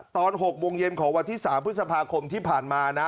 ตอน๖โมงเย็นของวันที่๓พฤษภาคมที่ผ่านมานะ